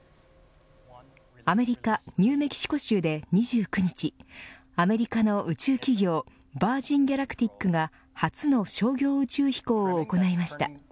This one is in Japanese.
アメリカニューメキシコ州で２９日アメリカの宇宙企業ヴァージン・ギャラクティックが初の商業宇宙飛行を行いました。